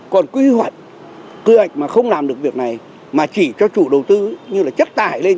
còn quy hoạch quy hoạch mà không làm được việc này mà chỉ cho chủ đầu tư như là chất tải lên